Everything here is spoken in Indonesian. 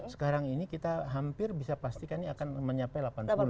sekarang ini kita hampir bisa pastikan ini akan mencapai delapan puluh